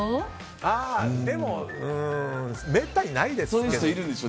でも、めったにないですよ。